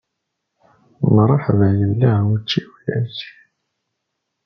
Mṛeḥba yella, učči ulac.